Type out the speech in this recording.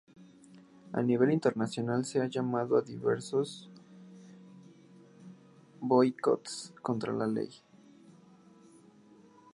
A nivel internacional se ha llamado a diversos boicots contra la ley.